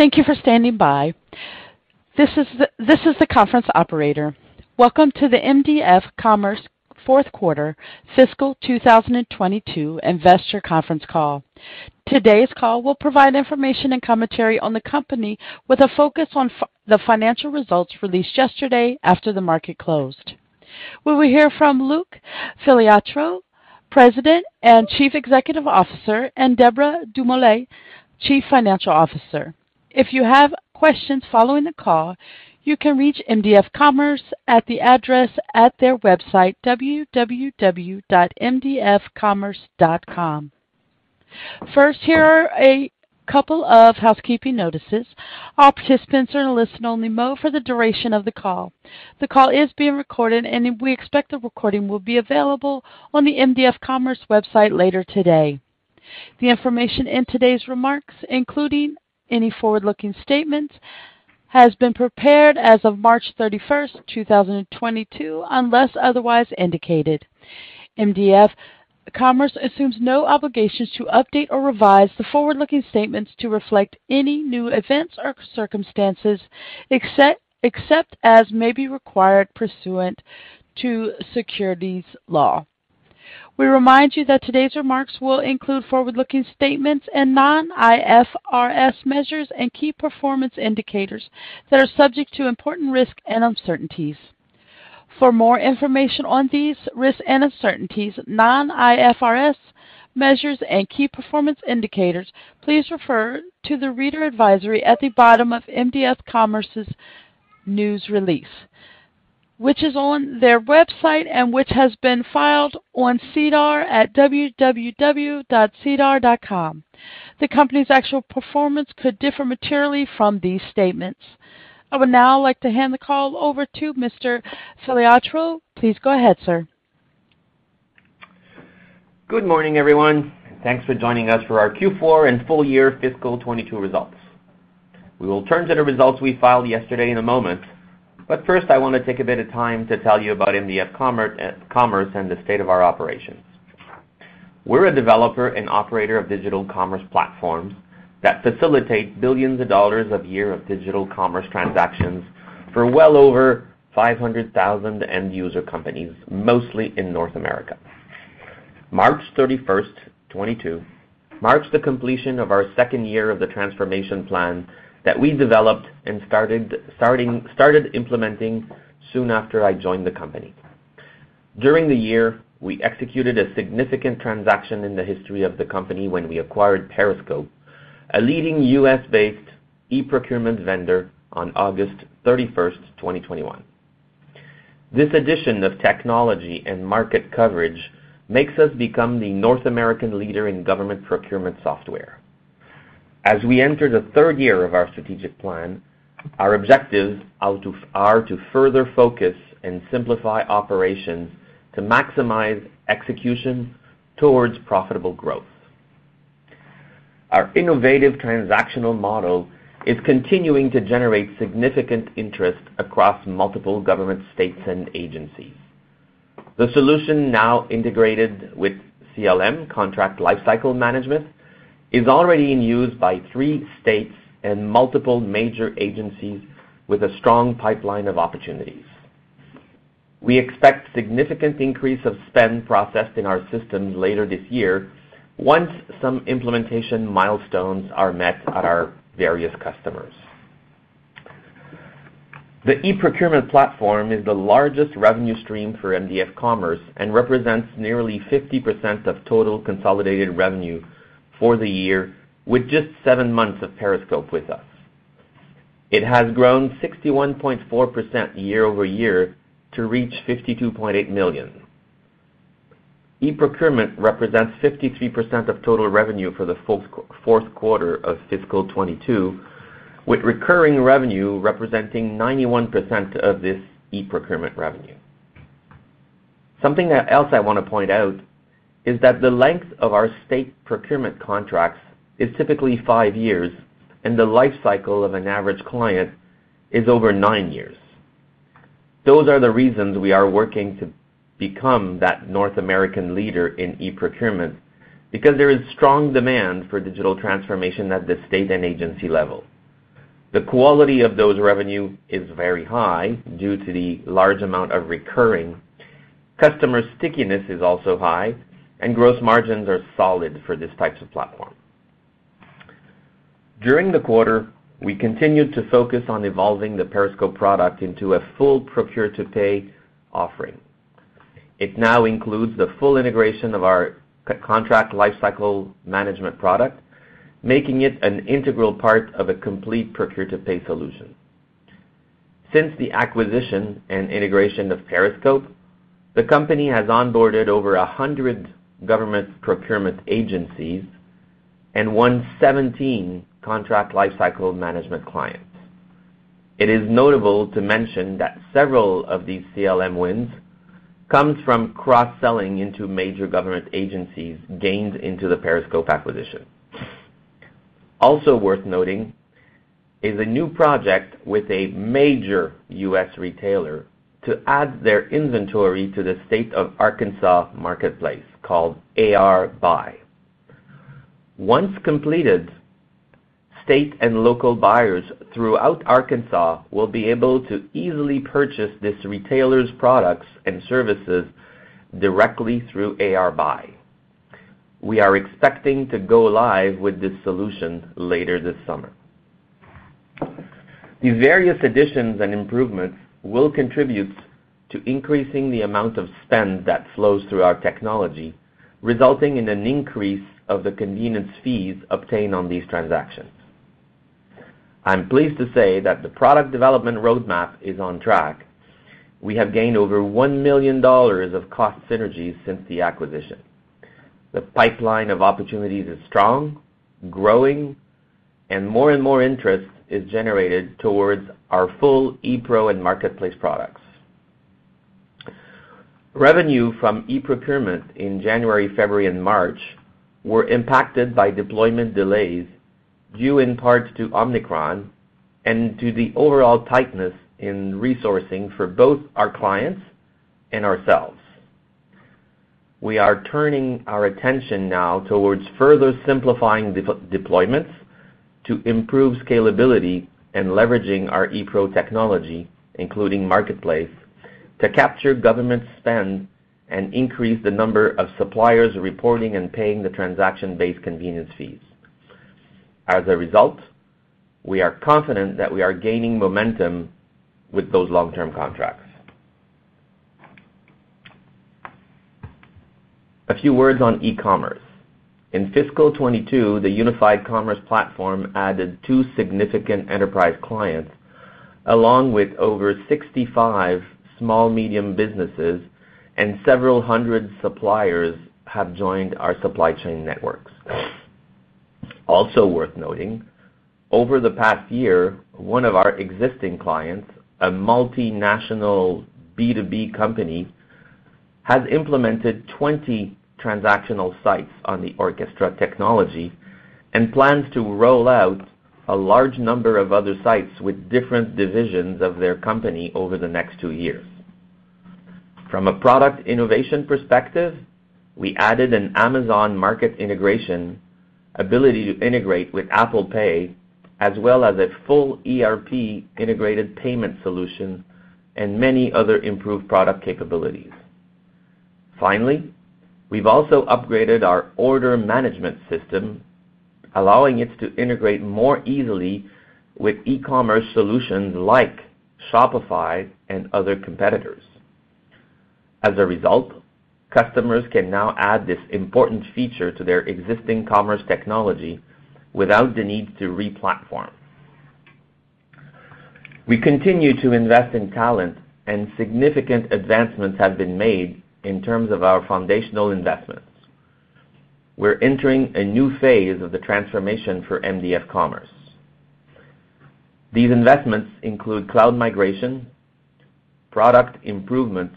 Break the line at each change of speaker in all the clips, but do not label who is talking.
Thank you for standing by. This is the conference operator. Welcome to the mdf commerce Fourth Quarter Fiscal 2022 Investor Conference Call. Today's call will provide information and commentary on the company with a focus on the financial results released yesterday after the market closed. We will hear from Luc Filiatreault, President and Chief Executive Officer, and Deborah Dumoulin, Chief Financial Officer. If you have questions following the call, you can reach mdf commerce at the address at their website, www.mdfcommerce.com. First, here are a couple of housekeeping notices. All participants are in a listen only mode for the duration of the call. The call is being recorded, and we expect the recording will be available on the mdf commerce website later today. The information in today's remarks, including any forward-looking statements, has been prepared as of March 31st, 2022, unless otherwise indicated. mdf commerce assumes no obligations to update or revise the forward-looking statements to reflect any new events or circumstances, except as may be required pursuant to securities law. We remind you that today's remarks will include forward-looking statements and non-IFRS measures and key performance indicators that are subject to important risks and uncertainties. For more information on these risks and uncertainties, non-IFRS measures, and key performance indicators, please refer to the reader advisory at the bottom of mdf commerce's news release, which is on their website and which has been filed on SEDAR at www.sedar.com. The company's actual performance could differ materially from these statements. I would now like to hand the call over to Mr. Filiatreault. Please go ahead, sir.
Good morning, everyone. Thanks for joining us for our Q4 and full year fiscal 2022 results. We will turn to the results we filed yesterday in a moment, but first I want to take a bit of time to tell you about mdf commerce and the state of our operations. We're a developer and operator of digital commerce platforms that facilitate billions of dollars a year of digital commerce transactions for well over 500,000 end user companies, mostly in North America. March 31st, 2022 marks the completion of our second year of the transformation plan that we developed and started implementing soon after I joined the company. During the year, we executed a significant transaction in the history of the company when we acquired Periscope, a leading U.S. based eProcurement vendor on August 31st, 2021. This addition of technology and market coverage makes us become the North American leader in government procurement software. As we enter the third year of our strategic plan, our objectives are to further focus and simplify operations to maximize execution towards profitable growth. Our innovative transactional model is continuing to generate significant interest across multiple government states and agencies. The solution, now integrated with CLM, Contract Lifecycle Management, is already in use by three states and multiple major agencies with a strong pipeline of opportunities. We expect significant increase of spend processed in our system later this year once some implementation milestones are met at our various customers. The eProcurement platform is the largest revenue stream for mdf commerce and represents nearly 50% of total consolidated revenue for the year with just seven months of Periscope with us. It has grown 61.4% year-over-year to reach $52.8 million. eProcurement represents 53% of total revenue for the fourth quarter of fiscal 2022, with recurring revenue representing 91% of this eProcurement revenue. Something else I want to point out is that the length of our state Procurement contracts is typically five years and the life cycle of an average client is over nine years. Those are the reasons we are working to become that North American leader in eProcurement, because there is strong demand for digital transformation at the state and agency level. The quality of those revenue is very high due to the large amount of recurring. Customer stickiness is also high and gross margins are solid for these types of platform. During the quarter, we continued to focus on evolving the Periscope product into a full procure to pay offering. It now includes the full integration of our contract lifecycle management product, making it an integral part of a complete procure to pay solution. Since the acquisition and integration of Periscope, the company has onboarded over 100 government procurement agencies and won 17 contract lifecycle management clients. It is notable to mention that several of these CLM wins come from cross-selling into major government agencies gained in the Periscope acquisition. Also worth noting is a new project with a major U.S. retailer to add their inventory to the state of Arkansas marketplace called ARBuy. Once completed, state and local buyers throughout Arkansas will be able to easily purchase this retailer's products and services directly through ARBuy. We are expecting to go live with this solution later this summer. The various additions and improvements will contribute to increasing the amount of spend that flows through our technology, resulting in an increase of the convenience fees obtained on these transactions. I'm pleased to say that the product development roadmap is on track. We have gained over 1 million dollars of cost synergies since the acquisition. The pipeline of opportunities is strong, growing, and more and more interest is generated towards our full ePro and marketplace products. Revenue from eProcurement in January, February, and March were impacted by deployment delays due in part to Omicron and to the overall tightness in resourcing for both our clients and ourselves. We are turning our attention now towards further simplifying deployments to improve scalability and leveraging our ePro technology, including marketplace, to capture government spend and increase the number of suppliers reporting and paying the transaction-based convenience fees. As a result, we are confident that we are gaining momentum with those long-term contracts. A few words on e-commerce. In fiscal 2022, the unified commerce platform added two significant enterprise clients, along with over 65 small medium businesses, and several hundred suppliers have joined our supply chain networks. Also worth noting, over the past year, one of our existing clients, a multinational B2B company, has implemented 20 transactional sites on the Orckestra technology and plans to roll out a large number of other sites with different divisions of their company over the next two years. From a product innovation perspective, we added an Amazon market integration ability to integrate with Apple Pay, as well as a full ERP integrated payment solution and many other improved product capabilities. Finally, we've also upgraded our order management system, allowing it to integrate more easily with e-commerce solutions like Shopify and other competitors. As a result, customers can now add this important feature to their existing commerce technology without the need to re-platform. We continue to invest in talent, and significant advancements have been made in terms of our foundational investments. We're entering a new phase of the transformation for mdf commerce. These investments include cloud migration, product improvements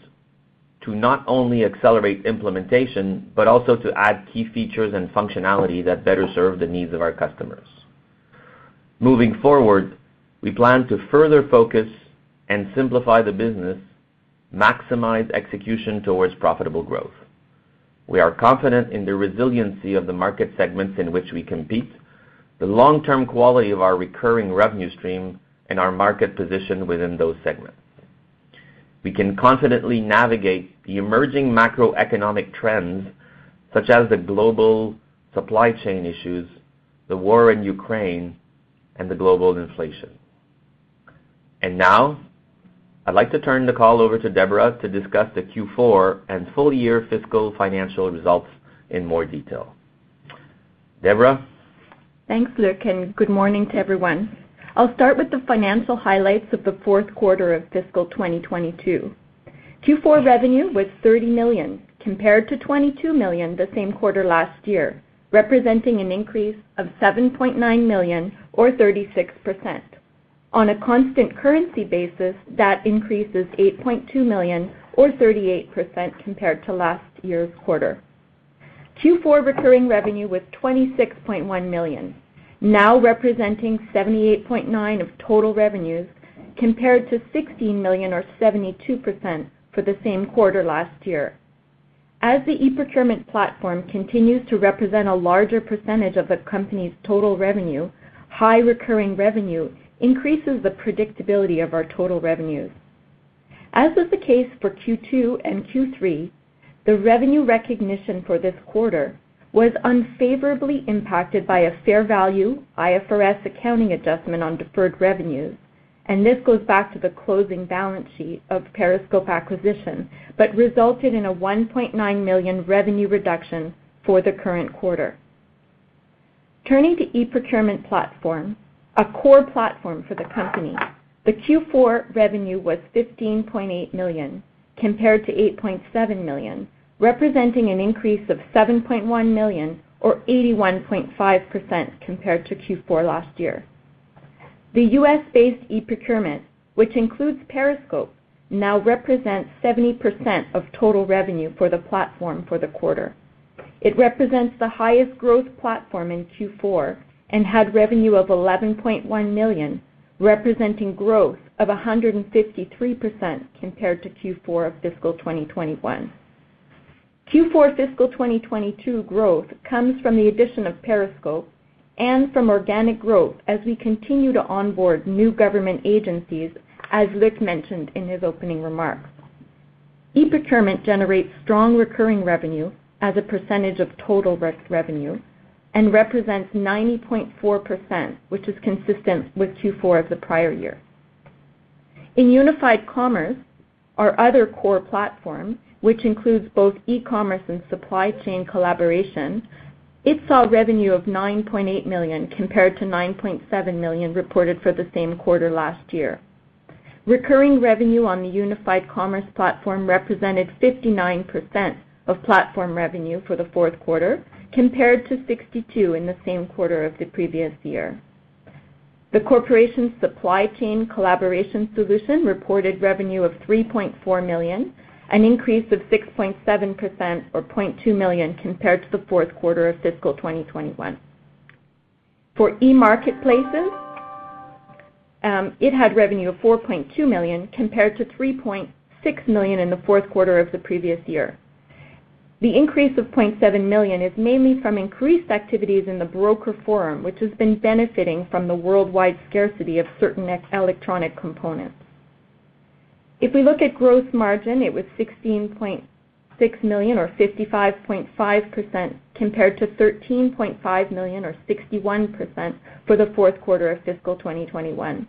to not only accelerate implementation, but also to add key features and functionality that better serve the needs of our customers. Moving forward, we plan to further focus and simplify the business, maximize execution towards profitable growth. We are confident in the resiliency of the market segments in which we compete, the long-term quality of our recurring revenue stream, and our market position within those segments. We can confidently navigate the emerging macroeconomic trends, such as the global supply chain issues, the war in Ukraine, and the global inflation. Now, I'd like to turn the call over to Deborah to discuss the Q4 and full-year fiscal financial results in more detail. Deborah?
Thanks, Luc, and good morning to everyone. I'll start with the financial highlights of the fourth quarter of fiscal 2022. Q4 revenue was 30 million, compared to 22 million the same quarter last year, representing an increase of 7.9 million or 36%. On a constant currency basis, that increase is 8.2 million or 38% compared to last year's quarter. Q4 recurring revenue was 26.1 million, now representing 78.9% of total revenues, compared to 16 million or 72% for the same quarter last year. As the eProcurement platform continues to represent a larger percentage of the company's total revenue, high recurring revenue increases the predictability of our total revenues. As was the case for Q2 and Q3, the revenue recognition for this quarter was unfavorably impacted by a fair value IFRS accounting adjustment on deferred revenues, and this goes back to the closing balance sheet of Periscope acquisition, but resulted in a 1.9 million revenue reduction for the current quarter. Turning to eProcurement platform, a core platform for the company, the Q4 revenue was 15.8 million compared to 8.7 million, representing an increase of 7.1 million or 81.5% compared to Q4 last year. The U.S. based eProcurement, which includes Periscope, now represents 70% of total revenue for the platform for the quarter. It represents the highest growth platform in Q4 and had revenue of $11.1 million, representing growth of 153% compared to Q4 of fiscal 2021. Q4 fiscal 2022 growth comes from the addition of Periscope and from organic growth as we continue to onboard new government agencies, as Luc mentioned in his opening remarks. eProcurement generates strong recurring revenue as a percentage of total revenue and represents 90.4%, which is consistent with Q4 of the prior year. In unified commerce, our other core platform, which includes both e-commerce and supply chain collaboration, it saw revenue of 9.8 million compared to 9.7 million reported for the same quarter last year. Recurring revenue on the unified commerce platform represented 59% of platform revenue for the fourth quarter, compared to 62% in the same quarter of the previous year. The corporation's supply chain collaboration solution reported revenue of 3.4 million, an increase of 6.7% or 0.2 million compared to the fourth quarter of fiscal 2021. For e-marketplaces, it had revenue of 4.2 million compared to 3.6 million in the fourth quarter of the previous year. The increase of 0.7 million is mainly from increased activities in The Broker Forum, which has been benefiting from the worldwide scarcity of certain electronic components. If we look at gross margin, it was 16.6 million or 55.5% compared to 13.5 million or 61% for the fourth quarter of fiscal 2021.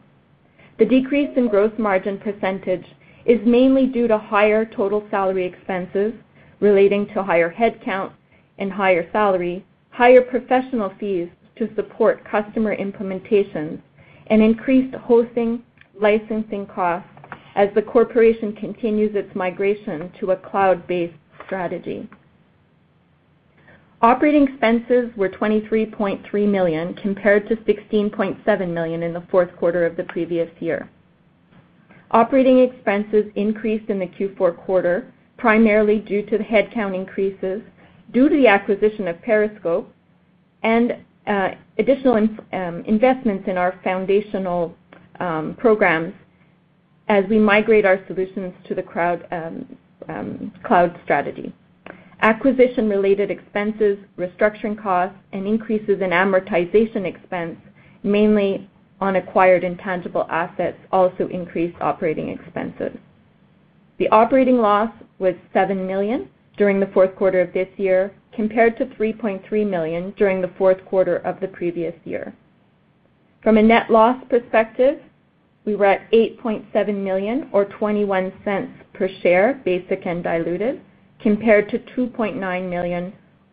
The decrease in gross margin percentage is mainly due to higher total salary expenses relating to higher headcount and higher salary, higher professional fees to support customer implementations, and increased hosting licensing costs as the corporation continues its migration to a cloud-based strategy. Operating expenses were 23.3 million compared to 16.7 million in the fourth quarter of the previous year. Operating expenses increased in the Q4 quarter, primarily due to the headcount increases due to the acquisition of Periscope and additional investments in our foundational programs as we migrate our solutions to the cloud strategy. Acquisition-related expenses, restructuring costs, and increases in amortization expense, mainly on acquired intangible assets, also increased operating expenses. The operating loss was 7 million during the fourth quarter of this year, compared to 3.3 million during the fourth quarter of the previous year. From a net loss perspective, we were at 8.7 million or 0.21 per share, basic and diluted, compared to 2.9 million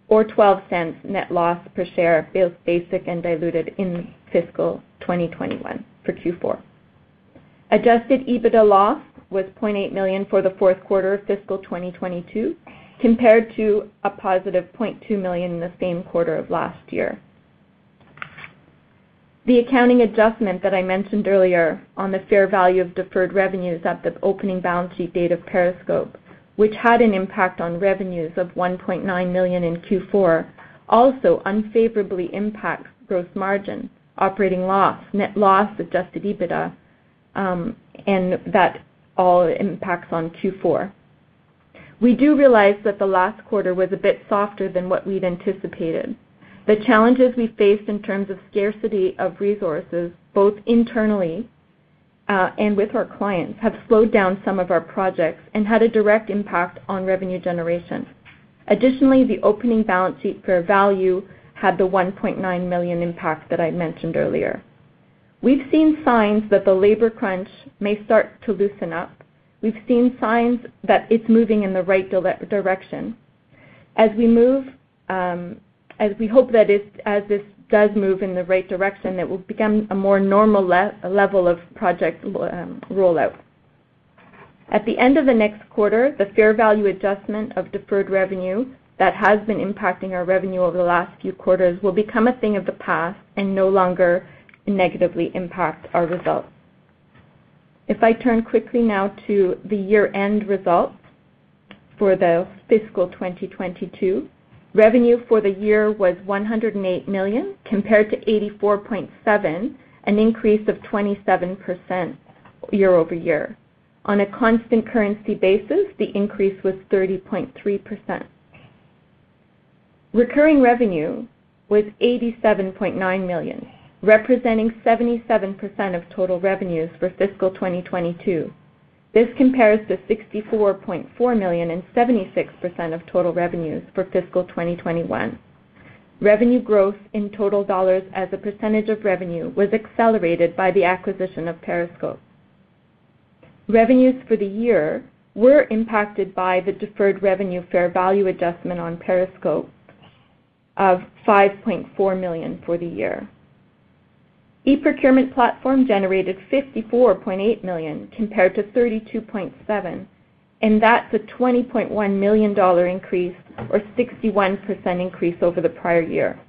or 0.12 net loss per share, basic and diluted in fiscal 2021 for Q4. Adjusted EBITDA loss was 0.8 million for the fourth quarter of fiscal 2022, compared to a positive 0.2 million in the same quarter of last year. The accounting adjustment that I mentioned earlier on the fair value of deferred revenues at the opening balance sheet date of Periscope, which had an impact on revenues of 1.9 million in Q4, also unfavorably impacts gross margin, operating loss, net loss, adjusted EBITDA, and that all impacts on Q4. We do realize that the last quarter was a bit softer than what we'd anticipated. The challenges we faced in terms of scarcity of resources, both internally, and with our clients, have slowed down some of our projects and had a direct impact on revenue generation. Additionally, the opening balance sheet fair value had the 1.9 million impact that I mentioned earlier. We've seen signs that the labor crunch may start to loosen up. We've seen signs that it's moving in the right direction. As this does move in the right direction, it will become a more normal level of project rollout. At the end of the next quarter, the fair value adjustment of deferred revenue that has been impacting our revenue over the last few quarters will become a thing of the past and no longer negatively impact our results. If I turn quickly now to the year-end results for the fiscal 2022, revenue for the year was 108 million compared to 84.7 million, an increase of 27% year-over-year. On a constant currency basis, the increase was 30.3%. Recurring revenue was 87.9 million, representing 77% of total revenues for fiscal 2022. This compares to 64.4 million and 76% of total revenues for fiscal 2021. Revenue growth in total dollars as a percentage of revenue was accelerated by the acquisition of Periscope. Revenues for the year were impacted by the deferred revenue fair value adjustment on Periscope of 5.4 million for the year. eProcurement platform generated 54.8 million compared to 32.7 million, and that's a $20.1 million increase or 61% increase over the prior year.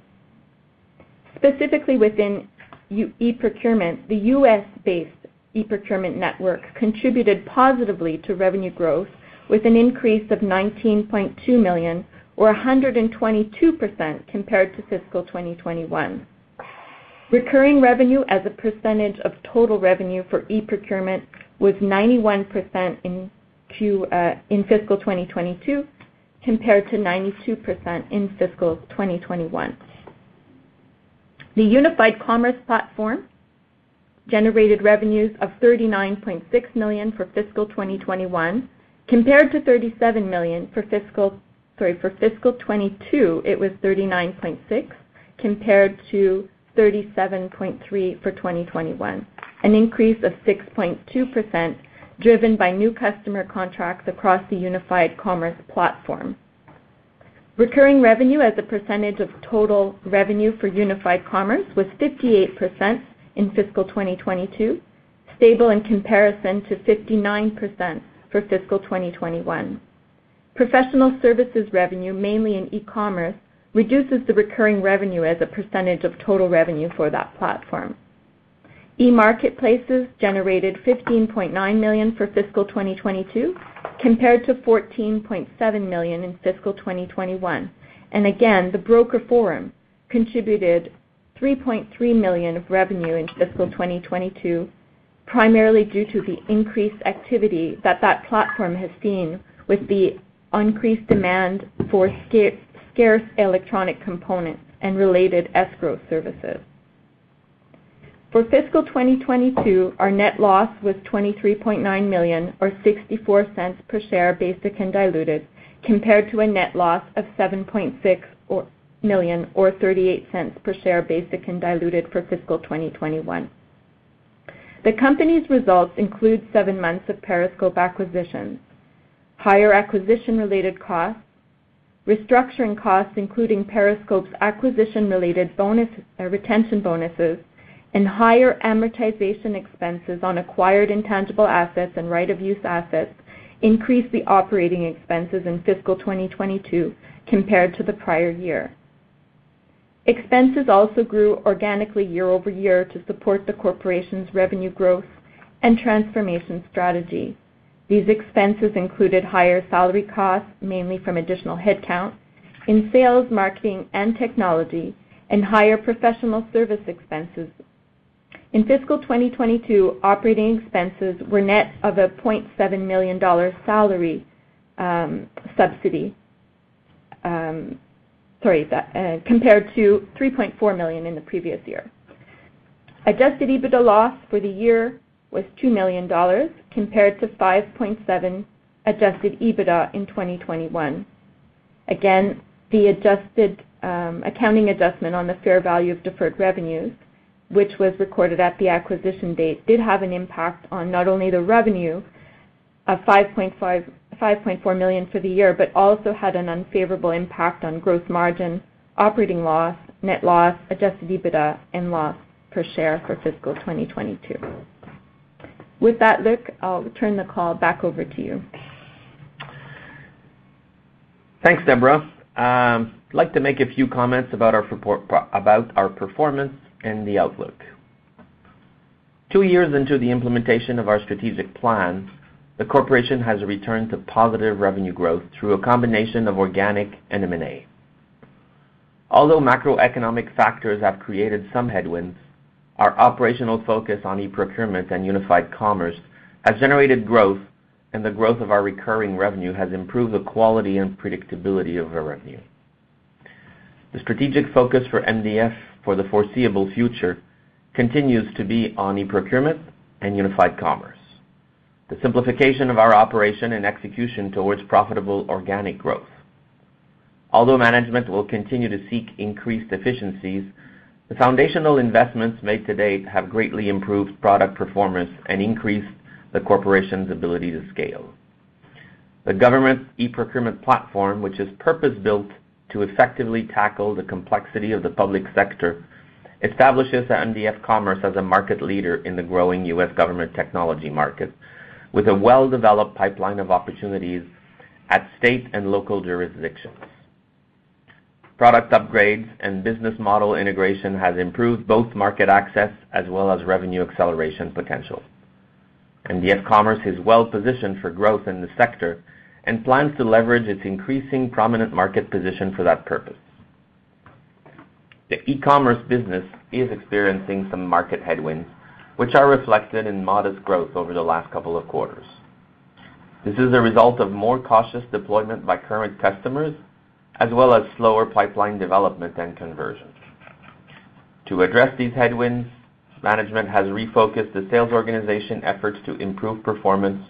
Specifically within eProcurement, the U.S.-based eProcurement network contributed positively to revenue growth with an increase of $19.2 million or 122% compared to fiscal 2021. Recurring revenue as a percentage of total revenue for eProcurement was 91% in fiscal 2022 compared to 92% in fiscal 2021. The unified commerce platform generated revenues of 39.6 million for fiscal 2021 compared to 37 million for fiscal... Sorry, for fiscal 2022, it was 39.6 compared to 37.3 for 2021, an increase of 6.2%, driven by new customer contracts across the unified commerce platform. Recurring revenue as a percentage of total revenue for unified commerce was 58% in fiscal 2022, stable in comparison to 59% for fiscal 2021. Professional services revenue, mainly in e-commerce, reduces the recurring revenue as a percentage of total revenue for that platform. e-marketplaces generated 15.9 million for fiscal 2022 compared to 14.7 million in fiscal 2021. Again, The Broker Forum contributed 3.3 million of revenue in fiscal 2022, primarily due to the increased activity that platform has seen with the increased demand for scarce electronic components and related escrow services. For fiscal 2022, our net loss was 23.9 million or 0.64 per share, basic and diluted, compared to a net loss of 7.6 million or 0.38 per share, basic and diluted, for fiscal 2021. The company's results include seven months of Periscope acquisition, higher acquisition-related costs, restructuring costs, including Periscope's acquisition-related retention bonuses, and higher amortization expenses on acquired intangible assets and right-of-use assets increased the operating expenses in fiscal 2022 compared to the prior year. Expenses also grew organically year-over-year to support the corporation's revenue growth and transformation strategy. These expenses included higher salary costs, mainly from additional headcount in sales, marketing, and technology, and higher professional service expenses. In fiscal 2022, operating expenses were net of a 0.7 million dollar salary subsidy. Compared to 3.4 million in the previous year. Adjusted EBITDA loss for the year was 2 million dollars compared to 5.7 adjusted EBITDA in 2021. Again, the adjusted accounting adjustment on the fair value of deferred revenues, which was recorded at the acquisition date, did have an impact on not only the revenue of 5.4 million for the year, but also had an unfavorable impact on gross margin, operating loss, net loss, adjusted EBITDA, and loss per share for fiscal 2022. With that, Luc, I'll turn the call back over to you.
Thanks, Deborah. I'd like to make a few comments about our performance and the outlook. Two years into the implementation of our strategic plan, the corporation has returned to positive revenue growth through a combination of organic and M&A. Although macroeconomic factors have created some headwinds, our operational focus on eProcurement and unified commerce has generated growth, and the growth of our recurring revenue has improved the quality and predictability of our revenue. The strategic focus for mdf for the foreseeable future continues to be on eProcurement and unified commerce. The simplification of our operation and execution towards profitable organic growth. Although management will continue to seek increased efficiencies, the foundational investments made to date have greatly improved product performance and increased the corporation's ability to scale. The government eProcurement platform, which is purpose-built to effectively tackle the complexity of the public sector, establishes mdf commerce as a market leader in the growing U.S. government technology market with a well-developed pipeline of opportunities at state and local jurisdictions. Product upgrades and business model integration has improved both market access as well as revenue acceleration potential. mdf commerce is well positioned for growth in the sector and plans to leverage its increasing prominent market position for that purpose. The e-commerce business is experiencing some market headwinds, which are reflected in modest growth over the last couple of quarters. This is a result of more cautious deployment by current customers, as well as slower pipeline development and conversions. To address these headwinds, management has refocused the sales organization efforts to improve performance,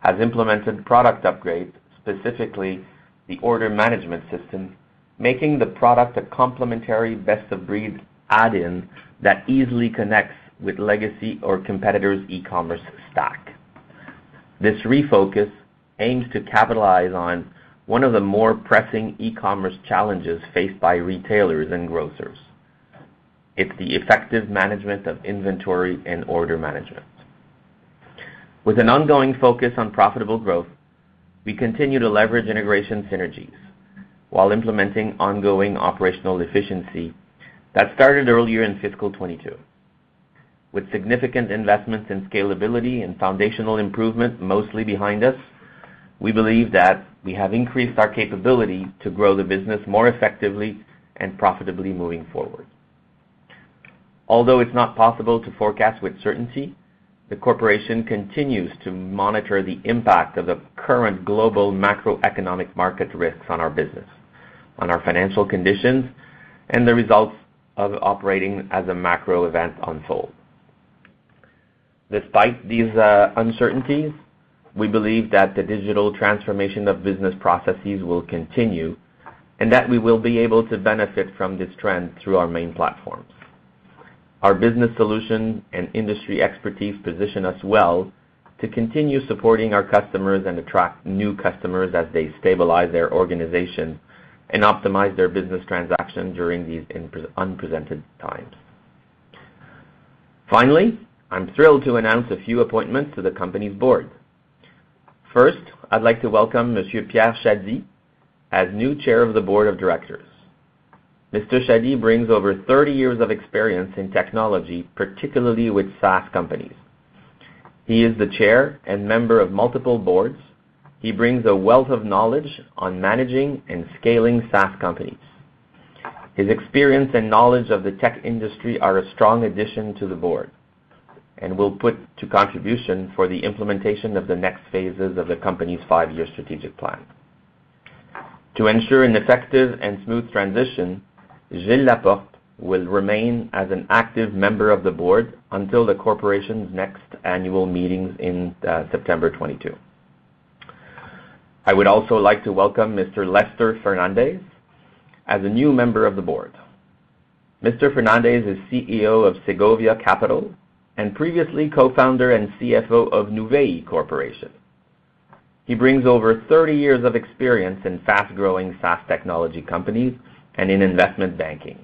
has implemented product upgrades, specifically the order management system, making the product a complementary best of breed add-in that easily connects with legacy or competitors' e-commerce stack. This refocus aims to capitalize on one of the more pressing e-commerce challenges faced by retailers and grocers. It's the effective management of inventory and order management. With an ongoing focus on profitable growth, we continue to leverage integration synergies while implementing ongoing operational efficiency that started earlier in fiscal 2022. With significant investments in scalability and foundational improvement mostly behind us, we believe that we have increased our capability to grow the business more effectively and profitably moving forward. Although it's not possible to forecast with certainty, the corporation continues to monitor the impact of the current global macroeconomic market risks on our business, on our financial conditions, and the results of operations as a macro event unfold. Despite these uncertainties, we believe that the digital transformation of business processes will continue and that we will be able to benefit from this trend through our main platforms. Our business solution and industry expertise position us well to continue supporting our customers and attract new customers as they stabilize their organizations and optimize their business transactions during these unprecedented times. Finally, I'm thrilled to announce a few appointments to the company's board. First, I'd like to welcome Monsieur Pierre Chadi as new Chair of the Board of Directors. Mr. Chadi brings over 30 years of experience in technology, particularly with SaaS companies. He is the chair and member of multiple boards. He brings a wealth of knowledge on managing and scaling SaaS companies. His experience and knowledge of the tech industry are a strong addition to the board and will put to contribution for the implementation of the next phases of the company's five-year strategic plan. To ensure an effective and smooth transition, Gilles Laporte will remain as an active member of the board until the corporation's next annual meetings in September 2022. I would also like to welcome Mr. Lester Fernandes as a new member of the board. Mr. Fernandes is CEO of Segovia Capital and previously co-founder and CFO of Nuvei Corporation. He brings over 30 years of experience in fast-growing SaaS technology companies and in investment banking.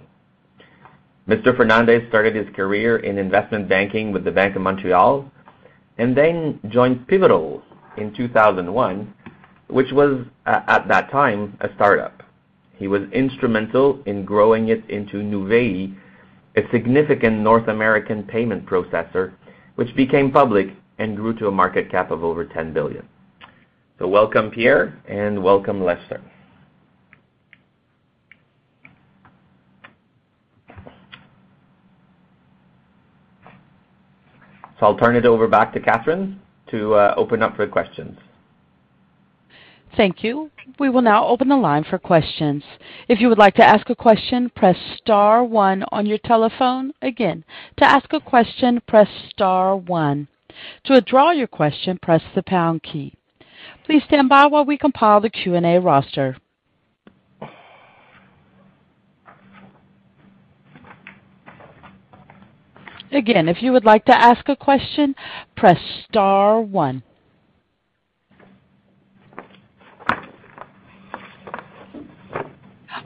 Mr. Fernandes started his career in investment banking with the Bank of Montreal and then joined Pivotal in 2001, which was at that time, a start-up. He was instrumental in growing it into Nuvei, a significant North American payment processor, which became public and grew to a market cap of over 10 billion. Welcome, Pierre, and welcome, Lester. I'll turn it over back to Catherine to open up for questions.
Thank you. We will now open the line for questions. If you would like to ask a question, press star one on your telephone. Again, to ask a question, press star one. To withdraw your question, press the pound key. Please stand by while we compile the Q&A roster. Again, if you would like to ask a question, press star one.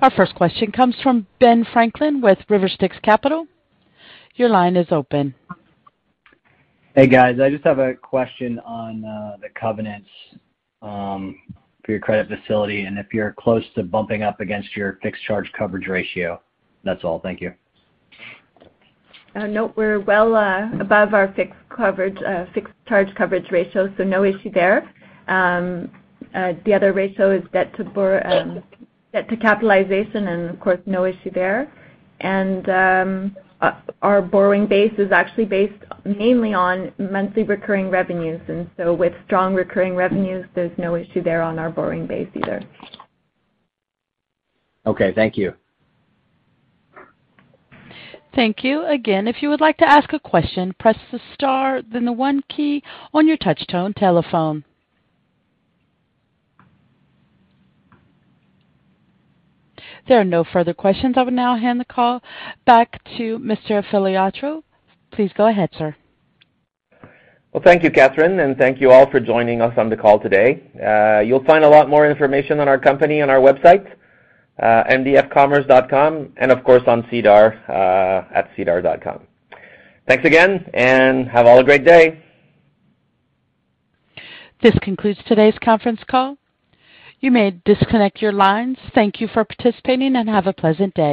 Our first question comes from Ben Franklin with Riverstyx Capital. Your line is open.
Hey, guys. I just have a question on the covenants for your credit facility and if you're close to bumping up against your fixed charge coverage ratio. That's all. Thank you.
No, we're well above our fixed charge coverage ratio, so no issue there. The other ratio is debt to capitalization and of course, no issue there. Our borrowing base is actually based mainly on monthly recurring revenues, and so with strong recurring revenues, there's no issue there on our borrowing base either.
Okay, thank you.
Thank you. Again, if you would like to ask a question, press the star then the one key on your touch tone telephone. There are no further questions. I will now hand the call back to Mr. Filiatreault. Please go ahead, sir.
Well, thank you, Catherine, and thank you all for joining us on the call today. You'll find a lot more information on our company on our website, mdfcommerce.com, and of course, on SEDAR at sedar.com. Thanks again, and have all a great day.
This concludes today's conference call. You may disconnect your lines. Thank you for participating, and have a pleasant day.